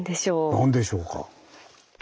何でしょうか？